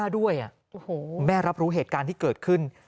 ด้วยแม่รับรู้เหตุการณ์ที่เกิดขึ้น